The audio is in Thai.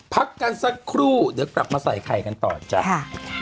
พักกันสักครู่เดี๋ยวกลับมาใส่ไข่กันต่อจ้ะ